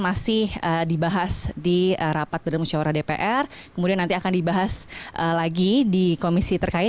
masih dibahas di rapat badan musyawarah dpr kemudian nanti akan dibahas lagi di komisi terkait